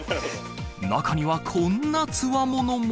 中にはこんなつわものも。